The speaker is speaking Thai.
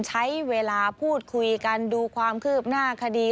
ใช้เวลาพูดคุยกันดูความคืบหน้าคดี